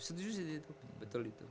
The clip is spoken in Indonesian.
vertusan itu betul itu